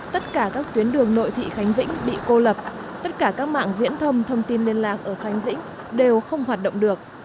tất cả các tuyến đường nội thị khánh vĩnh bị cô lập tất cả các mạng viễn thông thông tin liên lạc ở khánh vĩnh đều không hoạt động được